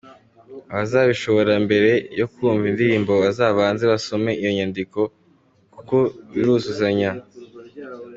Abazabishobora mbere yo kumva indirimbo bazabanze basome iyo nyandiko, kuko biruzuzanya.